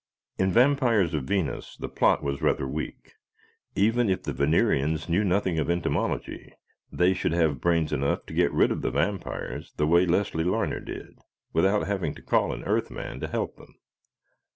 In "Vampires of Venus" the plot was rather weak. Even if the Venerians knew nothing of entomology, they should have brains enough to get rid of the vampires the way Leslie Larner did without having to call an Earthman to help them.